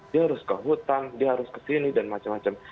dia harus ke hutan dia harus kesini dan macam macam